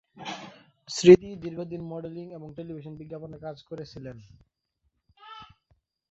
স্মৃতি দীর্ঘদিন মডেলিং এবং টেলিভিশন বিজ্ঞাপনে কাজ করেছিলেন।